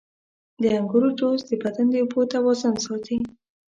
• د انګورو جوس د بدن د اوبو توازن ساتي.